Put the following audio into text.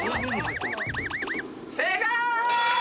正解！